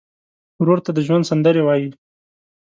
ورور ته د ژوند سندرې وایې.